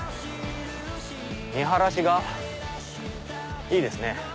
見晴らしがいいですね。